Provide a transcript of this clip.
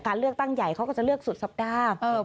เลือกตั้งใหญ่เขาก็จะเลือกสุดสัปดาห์